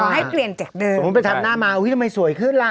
ให้เปลี่ยนจากเดิมไปทำหน้ามาอุ้ยทำไมสวยขึ้นล่ะ